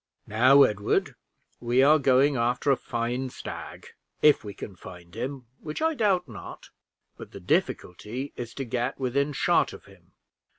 "Now, Edward, we are going after a fine stag, if we can find him, which I doubt not; but the difficulty is, to get within shot of him.